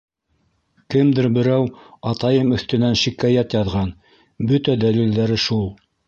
Кемдер берәү атайым өҫтөнән шикәйәт яҙған - бөтә дәлилдәре шул.